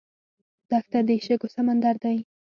دښته د شګو سمندر دی.